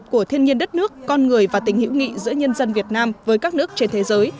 của thiên nhiên đất nước con người và tình hữu nghị giữa nhân dân việt nam với các nước trên thế giới